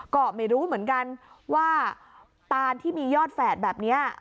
ก็ไม่รู้เหมือนกันว่าตานที่มียอดแฝดแบบนี้